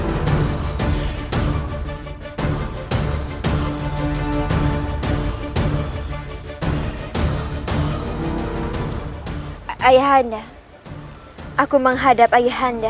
ayahnya aku menghadap ayahnya